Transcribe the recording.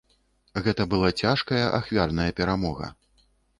Гэта была цяжкая, ахвярная перамога.